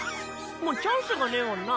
もうチャンスがねぇもんな。